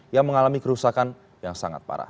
yang mengalami kerusakan yang sangat parah